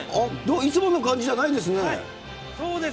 いつもの感じじゃないんですそうです。